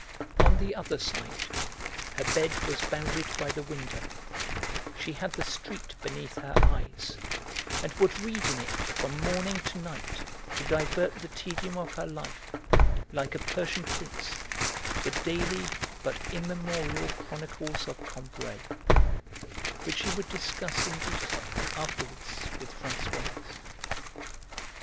On the other side her bed was bounded by the window: she had the street beneath her eyes, and would read in it from morning to night to divert the tedium of her life, like a Persian prince, the daily but immemorial chronicles of Combray, which she would discuss in detail afterwards with Françoise.